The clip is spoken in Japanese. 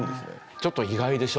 ちょっと意外でしょ？